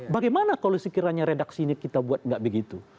bagaimana kalau sekiranya redaksi ini kita buat tidak begitu